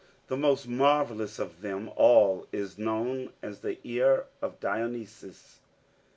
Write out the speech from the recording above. The most marvelous of them all is known as the Ear of Dionysius.